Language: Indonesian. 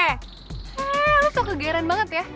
heee lo sok kegayaran banget ya